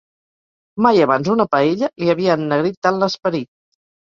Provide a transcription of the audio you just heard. Mai abans una paella li havia ennegrit tant l'esperit.